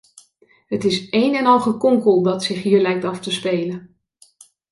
Het is een en al gekonkel dat zich hier lijkt af te spelen.